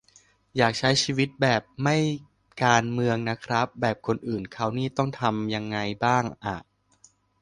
อยากใช้ชีวิตแบบ "ไม่การเมืองนะครับ" แบบคนอื่นเค้านี่ต้องทำยังไงบ้างอะ